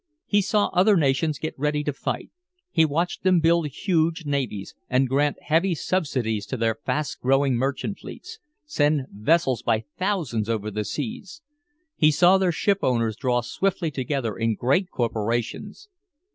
He saw other nations get ready to fight. He watched them build huge navies and grant heavy subsidies to their fast growing merchant fleets, send vessels by thousands over the seas. He saw their shipowners draw swiftly together in great corporations.